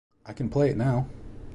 I can play it now!